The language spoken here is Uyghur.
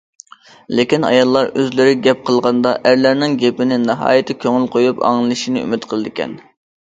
لېكىن ئاياللار ئۆزلىرى گەپ قىلغاندا ئەرلەرنىڭ گېپىنى ناھايىتى كۆڭۈل قويۇپ ئاڭلىشىنى ئۈمىد قىلىدىكەن.